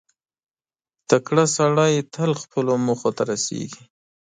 • تکړه سړی تل خپلو موخو ته رسېږي.